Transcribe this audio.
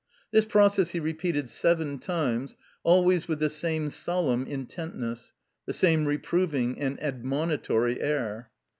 This process he repeated seven times, always with the same solemn intentness, the same reproving and admonitory air.